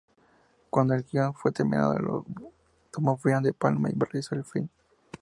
Cuando el guion fue terminado lo tomó Brian De Palma y realizó el film.